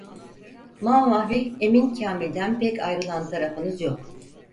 Mamafih Emin Kâmil’den pek ayrılan tarafınız yok!